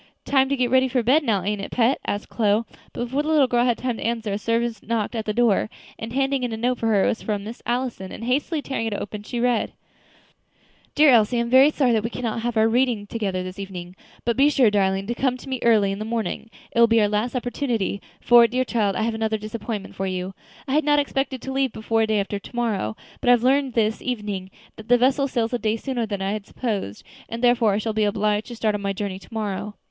"Time to get ready for bed now, ain't it, pet?" asked Chloe; but before the little girl had time to answer, a servant knocked at the door, and handed in a note for her. It was from Miss Allison, and, hastily tearing it open, she read: "DEAR ELSIE I am very sorry that we cannot have our reading together this evening; but be sure, darling, to come to me early in the morning; it will be our last opportunity, for, dear child, I have another disappointment for you. I had not expected to leave before day after to morrow, but I have learned this evening that the vessel sails a day sooner than I had supposed, and therefore I shall be obliged to start on my journey to morrow.